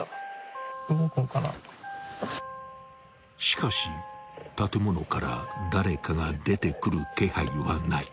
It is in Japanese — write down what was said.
［しかし建物から誰かが出てくる気配はない］